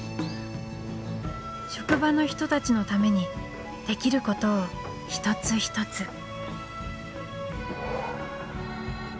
職場の人たちのためにできることを一つ一つ。